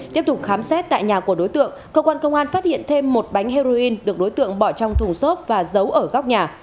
tiếp tục khám xét tại nhà của đối tượng cơ quan công an phát hiện thêm một bánh heroin được đối tượng bỏ trong thùng xốp và giấu ở góc nhà